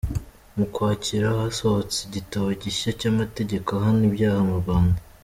Mu Ukwakira, hasohotse igitabo gishya cy’amategeko ahana ibyaha mu Rwanda.